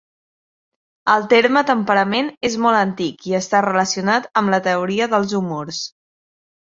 El terme temperament és molt antic i està relacionat amb la teoria dels humors.